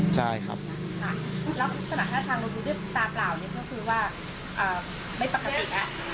ใช่ครับค่ะแล้วสมัครท่าทางรถมือดื้มตาเปล่านี่ก็คือว่าไม่ปกติ